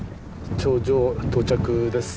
頂上到着です。